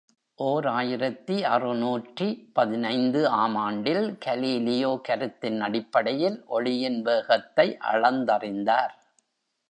ஓர் ஆயிரத்து அறுநூற்று பதினைந்து ஆம் ஆண்டில் கலீலியோ கருத்தின் அடிப்படையில் ஒளியின் வேகத்தை அளந்தறிந்தார்!